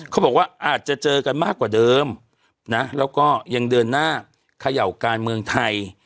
เขาบอกว่าอาจจะเจอกันมากกว่าเดิมนะแล้วก็ยังเดินหน้าเขย่าการเมืองไทย